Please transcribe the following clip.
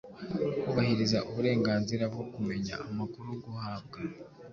Kubahiriza uburenganzira bwo kumenya amakuru, guhabwa